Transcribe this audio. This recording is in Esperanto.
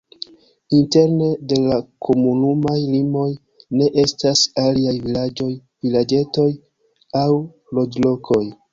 Interne de la komunumaj limoj ne estas aliaj vilaĝoj, vilaĝetoj aŭ loĝlokoj.